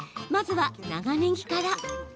まずは長ねぎから。